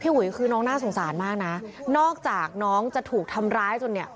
อุ๋ยคือน้องน่าสงสารมากนะนอกจากน้องจะถูกทำร้ายจนเนี่ย